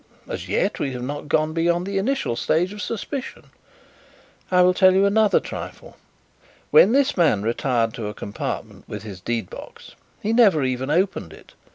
As yet we have not gone beyond the initial stage of suspicion. I will tell you another trifle. When this man retired to a compartment with his deed box, he never even opened it.